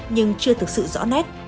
nhưng chưa thực sự rõ nét